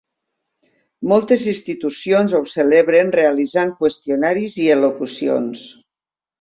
Moltes institucions ho celebren realitzant qüestionaris i elocucions.